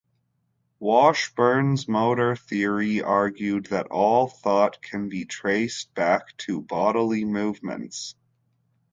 Washburn's motor theory argued that all thought can be traced back to bodily movements.